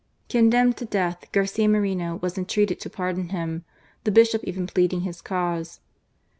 Condemned to death, Garcia Moreno was in treated to pardon him, the Bishop even pleading his cause.